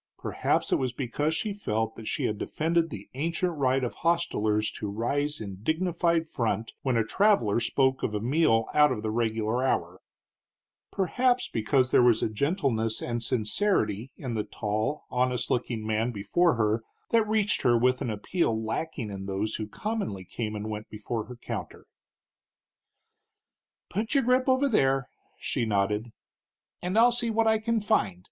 Perhaps it was because she felt that she had defended the ancient right of hostelers to rise in dignified front when a traveler spoke of a meal out of the regular hour, perhaps because there was a gentleness and sincerity in the tall, honest looking man before her that reached her with an appeal lacking in those who commonly came and went before her counter. "Put your grip over there," she nodded, "and I'll see what I can find.